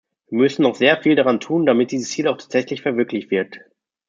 Wir müssen noch sehr viel daran tun, damit dieses Ziel auch tatsächlich verwirklich wird.